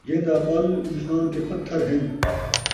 جِیندا ٻَل اِنسان تے پتھر ہِن